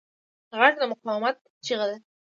غږ د مقاومت چیغه ده